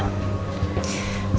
sebentar ya pak